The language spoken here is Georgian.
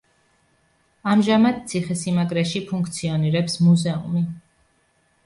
ამჟამად ციხესიმაგრეში ფუნქციონირებს მუზეუმი.